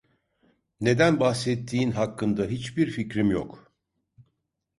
Neden bahsettiğin hakkında hiçbir fikrim yok.